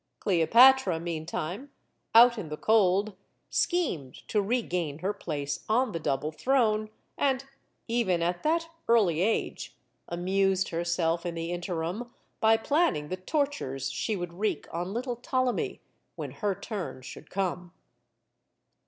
Cleopatra, meantime, out in the cold, schemed to regain her place on the double throne, and, even at that early age, amused herself in the interim by planning the tortures she would wreak on little Ptolemy when her turn should come.